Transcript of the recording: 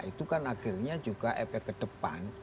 itu kan akhirnya juga efek ke depan